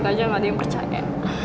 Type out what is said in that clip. sama sama aja gak ada yang percaya